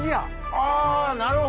あなるほど。